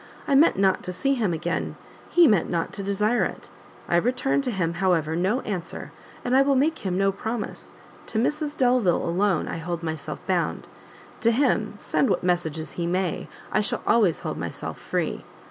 I meant not to see him again, he meant not to desire it. I return him, however, no answer, and I will make him no promise; to Mrs Delvile alone I hold myself bound; to him, send what messages he may, I shall always hold myself free.